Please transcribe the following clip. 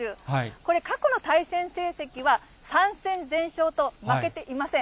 これ、過去の対戦成績は３戦全勝と、負けていません。